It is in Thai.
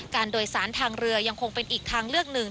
โดยสารทางเรือยังคงเป็นอีกทางเลือกหนึ่ง